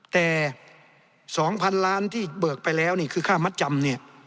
แต่๒๐๐๐๐๐๐ที่เบือนไปแล้วนี่คือค่ามัดจำ